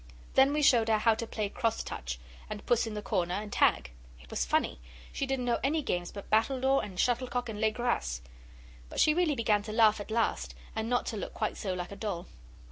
Then we showed her how to play cross touch, and puss in the corner, and tag. It was funny, she didn't know any games but battledore and shuttlecock and les graces. But she really began to laugh at last and not to look quite so like a doll.